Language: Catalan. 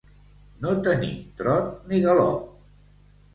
No tenir trot ni galop.